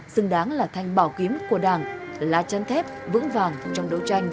xứng đáng là thanh bảo kiếm của đảng lá chân thép vững vàng trong đấu tranh